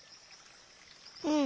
うん。